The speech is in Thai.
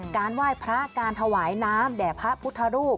การไหว้พระการถวายน้ำแด่พระพุทธรูป